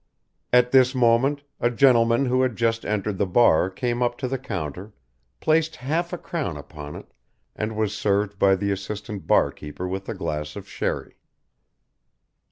At this moment a gentleman who had just entered the bar came up to the counter, placed half a crown upon it and was served by the assistant bar keeper with a glass of sherry.